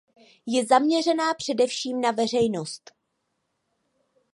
Je zaměřená především na veřejnost.